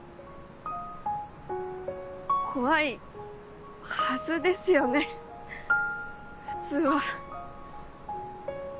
怖いはずですよね普通は。